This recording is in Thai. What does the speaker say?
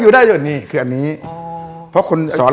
เรื่องเพชร